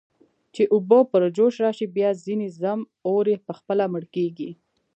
چې اوبه پر جوش راشي، بیا ځنې ځم، اور یې خپله مړ کېږي.